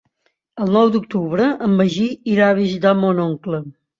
El nou d'octubre en Magí irà a visitar mon oncle.